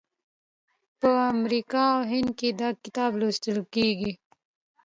په امریکا او هند کې دا کتاب لوستل کیږي.